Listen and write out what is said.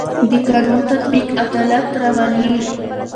د قانون تطبیق عدالت راولي